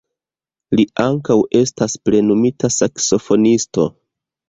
Li ankaŭ estas plenumita saksofonisto.